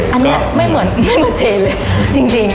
อันนี้ไม่เหมือเจ๋เลยจริง